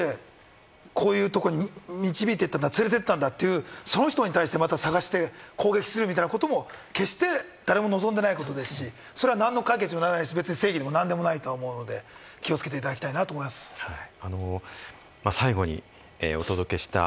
そして、そういうところもまた、さぁこういうことで、こういうところに導いていった、連れていったんだという、その人に対してまた探して攻撃するみたいなことも決して誰も望んでいないことですし、何の解決にもならないし、正義でも何でもないと思うので、気をつけていただきたいなと思います、はい。